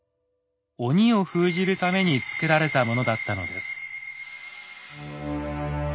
鬼を封じるために作られたものだったのです。